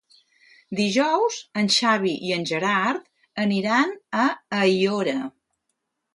Dijous en Xavi i en Gerard aniran a Aiora.